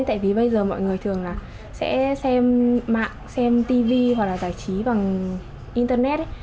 tại vì bây giờ mọi người thường là sẽ xem mạng xem tv hoặc là giải trí bằng internet